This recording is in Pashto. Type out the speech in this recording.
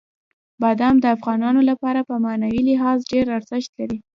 بادام د افغانانو لپاره په معنوي لحاظ ډېر ارزښت لري.